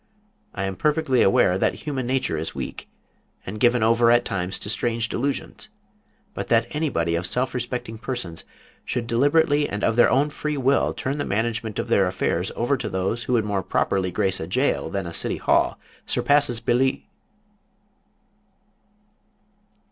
I am perfectly aware that human nature is weak, and given over at times to strange delusions, but that any body of self respecting persons should deliberately and of their own free will turn the management of their affairs over to those who would more properly grace a jail than a City Hall, surpasses belie